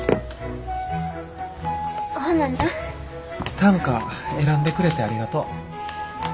短歌選んでくれてありがとう。